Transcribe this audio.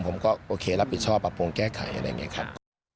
ผมก็โอเครับผิดชอบปรับปรุงแก้ไขอะไรอย่างนี้ครับ